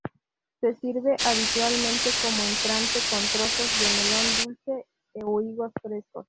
Se sirve habitualmente como entrante con trozos de melón dulce o higos fresco.